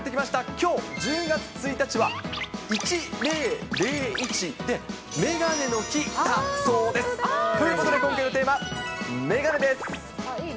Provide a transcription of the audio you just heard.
きょう１０月１日は、１００１で、メガネの日だそうです。ということで今回のテーマ、メガネです。